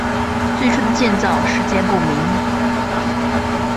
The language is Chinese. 最初的建造时间不明。